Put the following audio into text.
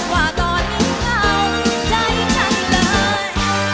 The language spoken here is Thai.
ว่าตอนหนึ่งเข้าใจฉันเลย